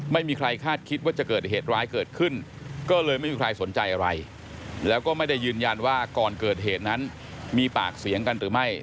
ไม่มีใครคาดคิดว่าจะเกิดเหตุร้ายเกิดขึ้นก็เลยไม่มีใครสนใจอะไรแล้วก็ไม่ได้ยืนยันว่าก่อนเกิดเหตุนั้นมีปากเสียงกันหรือไม่